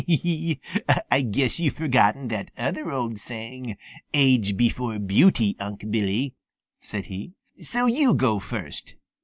"I guess you've forgotten that other old saying, 'Age before beauty,' Unc' Billy," said he. "So you go first.